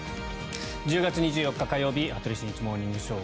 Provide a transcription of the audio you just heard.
１０月２４日、火曜日「羽鳥慎一モーニングショー」。